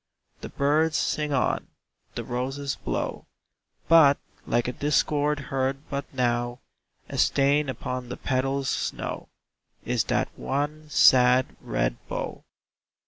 The birds sing on, the roses blow, But like a discord heard but now, A stain upon the petal's snow Is that one sad, red bough.